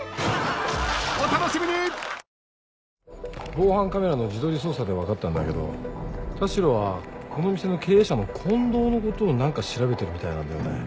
防犯カメラの地取り捜査で分かったんだけど田代はこの店の経営者の近藤のことを何か調べてるみたいなんだよね。